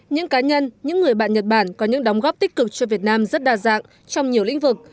những cá nhân những người bạn nhật bản có những đóng góp tích cực cho việt nam rất đa dạng trong nhiều lĩnh vực